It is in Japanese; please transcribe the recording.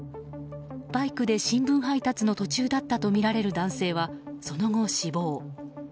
バイクで新聞配達の途中だったとみられる男性はその後、死亡。